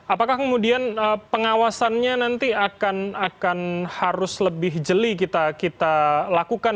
apakah kemudian pengawasannya nanti akan harus lebih jeli kita lakukan